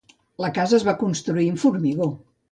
La casa es va construir amb formigó.